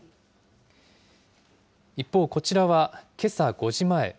一方、こちらはけさ５時前。